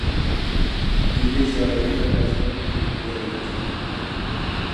دېدى زاھىدە نازلىنىپ تۇرۇپ يەرگە قاراپ.